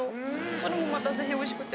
それもまたぜひおいしくて。